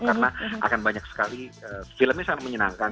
karena akan banyak sekali filmnya sangat menyenangkan